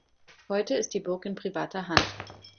Heute ist die Burg in privater Hand.